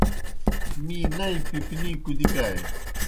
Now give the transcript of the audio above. می نئی پِپنِی کُدِکانیْ؟۔